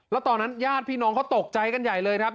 แล้วตอนนั้นญาติพี่น้องเขาตกใจกันใหญ่เลยครับ